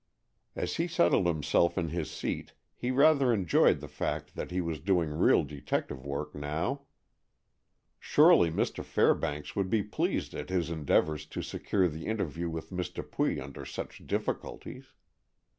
As he settled himself in his seat, he rather enjoyed the fact that he was doing real detective work now. Surely Mr. Fairbanks would be pleased at his endeavors to secure the interview with Miss Dupuy under such difficulties.